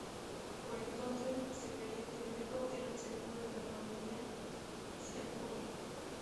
Por entonces, se creía que Greco era el segundo de la familia Ciaculli.